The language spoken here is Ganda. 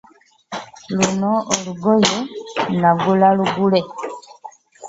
Luno olugoye nagula lugule.